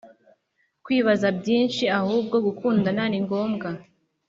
kwibaza byinshi ahubwo gukundana ningombwa